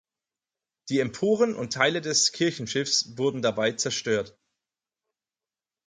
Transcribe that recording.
Die Emporen und Teile des Kirchenschiffs wurden dabei zerstört.